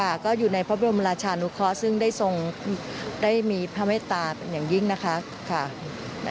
ค่ะก็อยู่ในพระบรมราชานุเคราะห์ซึ่งได้ทรงได้มีพระเมตตาเป็นอย่างยิ่งนะคะ